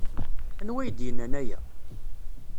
Anwa ay d-yennan aya?